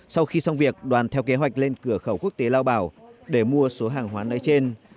sau khi xong việc đoàn theo kế hoạch lên cửa khẩu quốc tế lao bảo để mua số hàng hóa nói trên